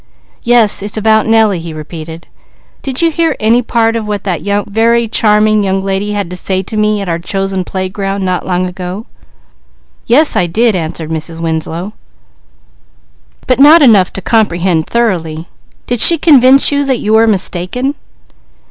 "Yes it's about Nellie," he repeated. "Did you hear any part of what that very charming young lady had to say to me at our chosen playground, not long ago?" "Yes I did," answered Mrs. Winslow. "But not enough to comprehend thoroughly. Did she convince you that you are mistaken?"